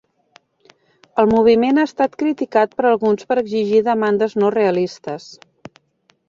El moviment ha estat criticat per alguns per exigir demandes no realistes.